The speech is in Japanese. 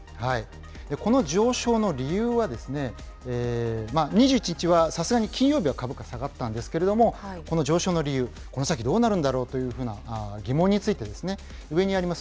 この上昇の理由はですね、２１日はさすがに金曜日は株価下がったんですけれども、この上昇の理由、この先、どうなるんだろうというような疑問について、上にあります